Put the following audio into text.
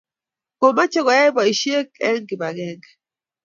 komache koyai poishek en kibagenge